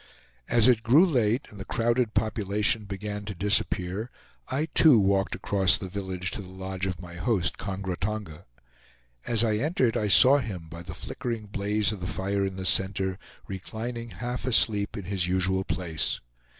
As it grew late, and the crowded population began to disappear, I too walked across the village to the lodge of my host, Kongra Tonga. As I entered I saw him, by the flickering blaze of the fire in the center, reclining half asleep in his usual place.